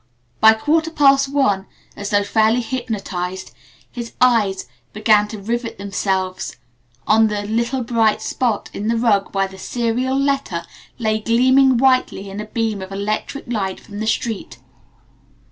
By quarter past one, as though fairly hypnotized, his eyes began to rivet themselves on the little bright spot in the rug where the "serial letter" lay gleaming whitely in a beam of electric light from the street.